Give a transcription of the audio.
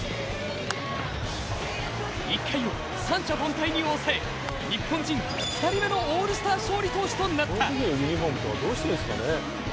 １回を三者凡退に抑え、日本人２人目のオールスター勝利投手となった。